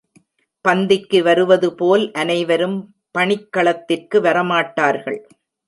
பந்திக்கு வருவது போல் அனைவரும் பணிக் களத்திற்கு வரமாட்டார்கள்.